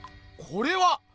これは！